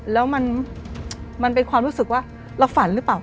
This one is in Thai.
แล้วมันเป็นความรู้สึกว่าเราฝันหรือเปล่า